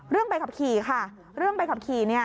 ใบขับขี่ค่ะเรื่องใบขับขี่เนี่ย